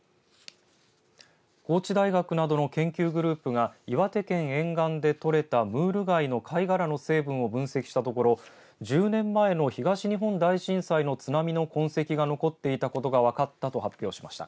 高知大学などの研究グループが岩手県沿岸で捕れたムール貝の貝殻の成分を分析したところ１０年前の東日本大震災の津波の痕跡が残っていたことが分かったと発表しました。